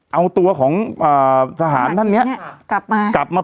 เอาตัวของอ่าสหารท่านเนี้ยกลับมา